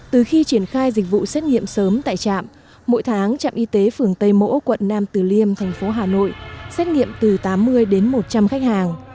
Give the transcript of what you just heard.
từ khi triển khai dịch vụ xét nghiệm sớm tại trạm mỗi tháng trạm y tế phường tây mỗ quận nam tử liêm thành phố hà nội xét nghiệm từ tám mươi đến một trăm linh khách hàng